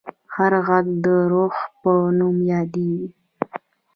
هغه غر د رُخ په نوم یادیږي.